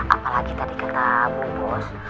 apalagi tadi kata bu bos